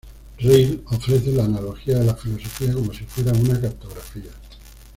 Ryle ofrece la analogía de la filosofía como si fuera una cartografía.